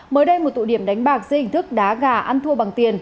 mới đây một tụ điểm đánh bạc dây hình thức đá gà ăn thua bằng tiền